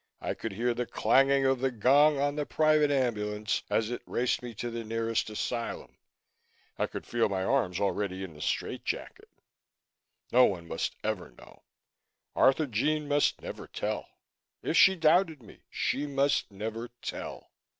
I could hear the clanging of the gong on the private ambulance as it raced me to the nearest asylum, I could feel my arms already in the strait jacket. No one must ever know; Arthurjean must never tell. If she doubted me, she must never tell.